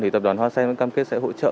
tập đoàn hoa sen vẫn cam kết sẽ hỗ trợ